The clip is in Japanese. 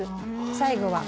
最後は。